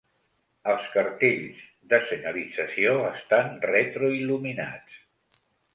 Els cartells de senyalització estan retroil·luminats.